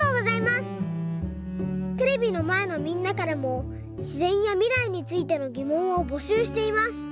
テレビのまえのみんなからもしぜんやみらいについてのぎもんをぼしゅうしています。